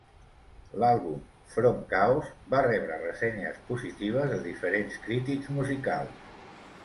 L'àlbum "From Chaos" va rebre ressenyes positives de diferents crítics musicals.